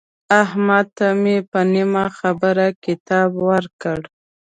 احمد ته مې په نیمه خبره کتاب ورکړ.